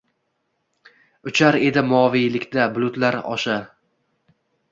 Uchar edi moviylikda, bulutlar osha.